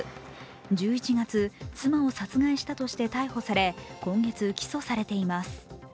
１１月、妻を殺害したとして逮捕され、今月、起訴されています。